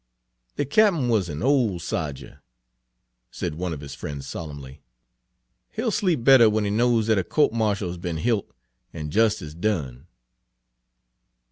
"The Cap'n was an ole sodger," said one Page 67 of his friends solemnly. "He 'll sleep better when he knows that a co'te martial has be'n hilt an' jestice done."